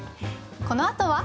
このあとは。